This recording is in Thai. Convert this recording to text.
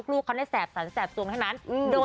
ลูกเขาได้แสบซะอีกตรงทั้งนั้น